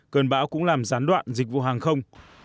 cơn bão cũng làm gián đoạn dịch vụ hàng